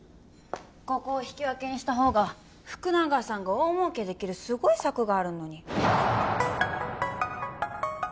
ここを引き分けにした方が福永さんが大もうけできるすごい策があるのに。